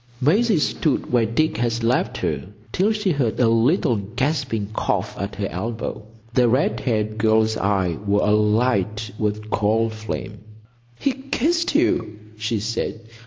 Maisie stood where Dick had left her till she heard a little gasping cough at her elbow. The red haired girl's eyes were alight with cold flame. "He kissed you!" she said.